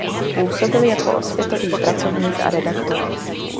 Působil jako osvětový pracovník a redaktor.